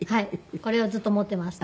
これをずっと持っています。